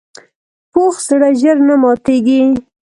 پوخ زړه ژر نه ماتیږي